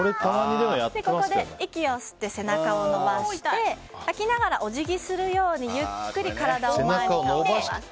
ここで息を吸って背中を伸ばして吐きながらお辞儀するようにゆっくり体を前に。